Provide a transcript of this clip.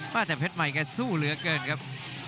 แต่เพชรใหม่แกสู้เหลือเกินครับ